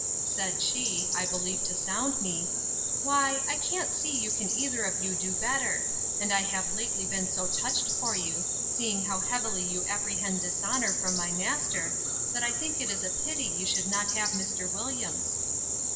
Said she, (I believe to sound me,) Why, I can't see you can either of you do better; and I have lately been so touched for you, seeing how heavily you apprehend dishonour from my master, that I think it is pity you should not have Mr. Williams.